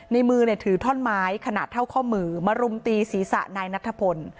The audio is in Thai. ในมือถือท่อนไม้ขนาดเท่าข้อมือมารุมตีศีรษะนายนัทพล